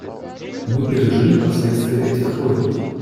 Мы пережили последствия этих войн.